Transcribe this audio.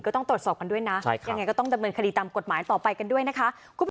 ก็ต้องตรวจสอบกันด้วยนะยังไงก็ต้องดำเนินคดีตามกฎหมายต่อไปกันด้วยนะคะ